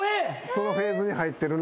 そのフェーズに入ってるな。